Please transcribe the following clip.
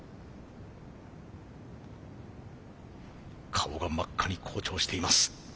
顔が真っ赤に紅潮しています。